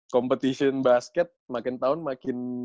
kompetisi basket makin tahun makin